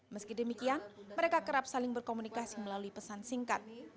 meski demikian mereka kerap saling berkomunikasi melalui pesan singkat